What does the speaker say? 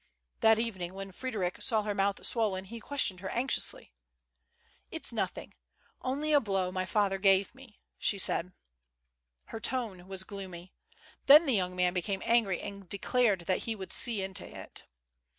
That evening, when Frederic saw her mouth swollen he questioned her anxiously. "It's nothing; only a blow my father gave me," she said. Her tone was gloomy. Then the young man became angry and declared that he would see into it.